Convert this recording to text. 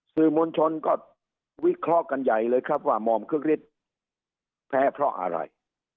สื่อมวลชนก็วิเคราะห์กันใหญ่เลยครับว่ามอมคึกฤทธิ์แพ้เพราะอะไร